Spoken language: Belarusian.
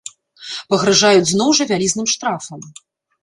Пагражаюць зноў жа вялізным штрафам.